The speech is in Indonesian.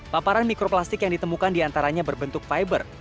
paparan mikroplastik yang ditemukan diantaranya berbentuk fiber